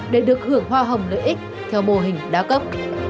để được hưởng hoa hồng lợi ích theo mô hình đa cấp